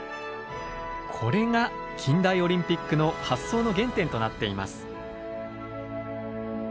これが近代オリンピックの発想の原点となっています。